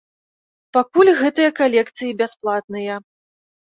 Пакуль гэтыя калекцыі бясплатныя.